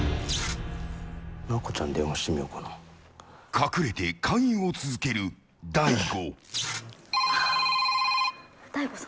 隠れて勧誘を続ける大悟。